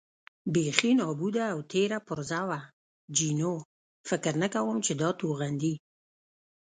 بېخي نابوده او تېره پرزه وه، جینو: فکر نه کوم چې دا توغندي.